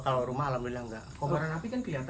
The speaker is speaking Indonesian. kalau rumah alhamdulillah enggak